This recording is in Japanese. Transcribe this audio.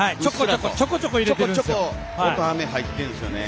ちょこちょこハメが入ってるんですよね。